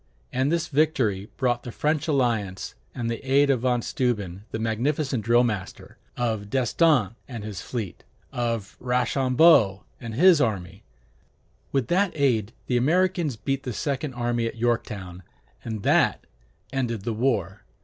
And this victory brought the French alliance, and the aid of Von Steuben the magnificent drill master, of d'Estaing and his fleet, of Rochambeau and his army. With that aid, the Americans beat the second army at Yorktown, and that ended the war.